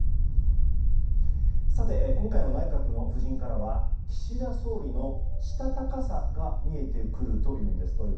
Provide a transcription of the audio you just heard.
今回の内閣の布陣からは岸田総理のしたたかさが見えてくるというんです。